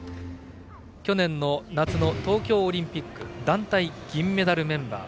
去年の夏の東京オリンピック団体銀メダルメンバー。